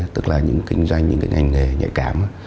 tức là những kinh doanh những cái ngành nghề nhạy cảm